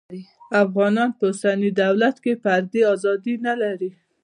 افغانان په اوسني دولت کې فردي ازادي نلري